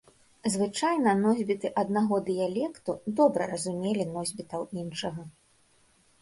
Звычайна носьбіты аднаго дыялекту добра разумелі носьбітаў іншага.